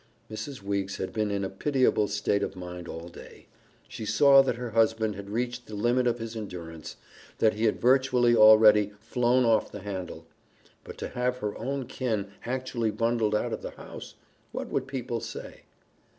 Mrs. Weeks had been in a pitiable state of mind all day. She saw that her husband had reached the limit of his endurance that he had virtually already "flown off the handle." But to have her own kin actually bundled out of the house what would people say?